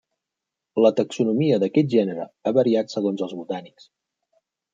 La taxonomia d'aquest gènere ha variat segons els botànics.